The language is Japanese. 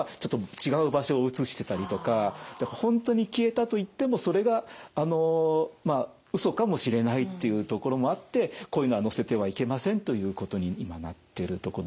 あと時々あるのは本当に消えたといってもそれがうそかもしれないというところもあってこういうのは載せてはいけませんということに今なってるとこです。